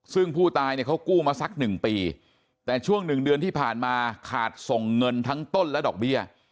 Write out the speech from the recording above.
ซึ่งผู้ตายเนี่ยเขากู้มาสักหนึ่งปีแต่ช่วงหนึ่งเดือนที่ผ่านมาขาดส่งเงินทั้งต้นและดอกเบี้ย